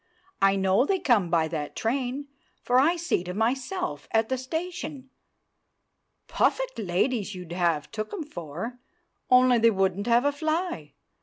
I know they come by that train, for I see'd 'em myself at the station, puffeck ladies you'd have took 'em for, only they wouldn't have a fly.